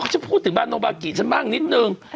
ก็จะพูดถึงบานโนบากิฉันบ้างนิดหนึ่ง